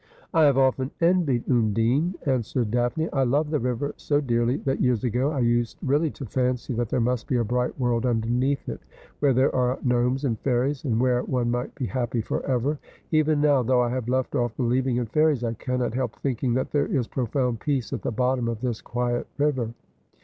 ' I have often envied Undine,' answered Daphne ;' I love the river so dearly that years ago I used really to fancy that there must be a bright world underneath it, where there are gnomes and fairies, and where one might be happy for ever. Even now, though I have left ofiE believing in fairies, I cannot help thinking that there is profound peace at the bottom of this quiet river.'